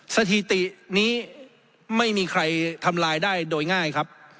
สถิตินี้ไม่มีใครทำลายได้โดยง่ายครับ